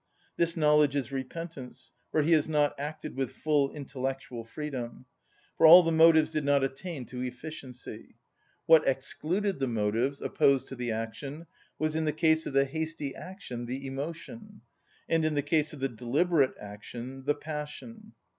This knowledge is repentance, for he has not acted with full intellectual freedom; for all the motives did not attain to efficiency. What excluded the motives opposed to the action was in the case of the hasty action the emotion, and in the case of the deliberate action the passion.